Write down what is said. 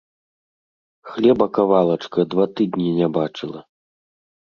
хлеба кавалачка два тыднi не бачыла...